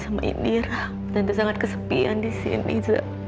saya sangat kesepian di sini zul